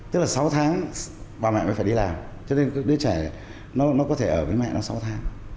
tức là sáu tháng bà mẹ mới phải đi làm cho nên các đứa trẻ nó có thể ở với mẹ nó sáu tháng